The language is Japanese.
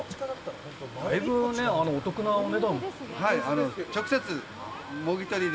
だいぶお得なお値段で。